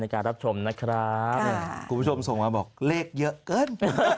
การรับชมนะครับคุณผู้ชมส่งมาบอกเลขเยอะเกินไป